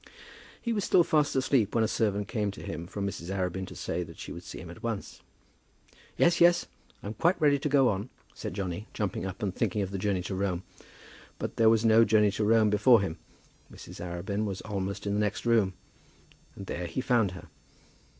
He was still fast asleep when a servant came to him from Mrs. Arabin to say that she would see him at once. "Yes, yes; I'm quite ready to go on," said Johnny, jumping up, and thinking of the journey to Rome. But there was no journey to Rome before him. Mrs. Arabin was almost in the next room, and there he found her.